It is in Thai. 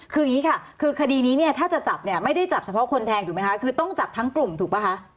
คืออย่างนี้ค่ะคือคดีนี้เนี่ยถ้าจะจับเนี่ยไม่ได้จับเฉพาะคนแทงถูกไหมคะคือต้องจับทั้งกลุ่มถูกป่ะคะ